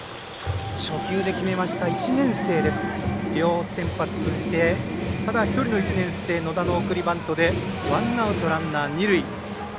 １年生です、両先発通じてただ１人の１年生野田の送りバントでワンアウト、ランナー、二塁。